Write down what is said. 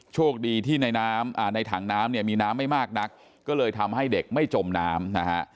โชคดีที่ในน้ำในถังน้ำเนี่ยมีน้ำไม่มากนักก็เลยทำให้เด็กไม่จมน้ำนะฮะ